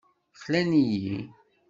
Xlan-iyi.